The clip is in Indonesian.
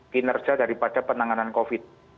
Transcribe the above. kinerja daripada penanganan covid